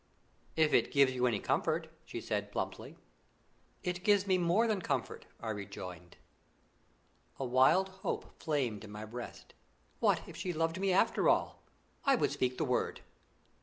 "If it gives you any comfort," she said plumply. "It gives me more than comfort," I rejoined. A wild hope flamed in my breast. What if she loved me after all! I would speak the word.